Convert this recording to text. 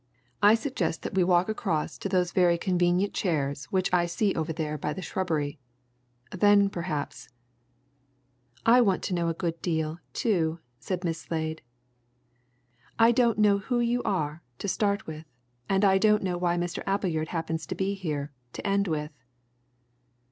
I suggest that we walk across to those very convenient chairs which I see over there by the shrubbery then perhaps " "I want to know a good deal, too," said Miss Slade. "I don't know who you are, to start with, and I don't know why Mr. Appleyard happens to be here, to end with."